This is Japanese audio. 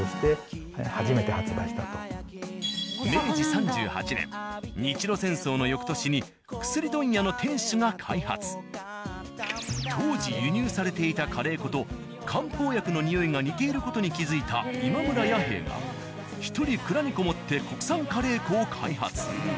そちらで日露戦争の翌年当時輸入されていたカレー粉と漢方薬の匂いが似ている事に気付いた今村弥兵衛が１人蔵に籠もって国産カレー粉を開発。